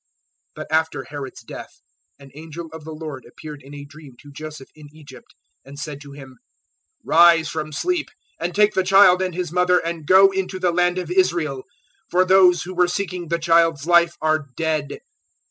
002:019 But after Herod's death an angel of the Lord appeared in a dream to Joseph in Egypt, and said to him, 002:020 "Rise from sleep, and take the child and His mother, and go into the land of Israel, for those who were seeking the child's life are dead."